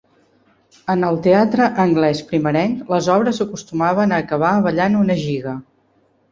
En el teatre anglès primerenc, les obres acostumaven a acabar ballant una giga.